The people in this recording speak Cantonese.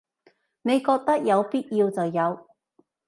你覺得有必要就有